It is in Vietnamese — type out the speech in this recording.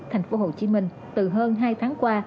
tp hcm từ hơn hai tháng qua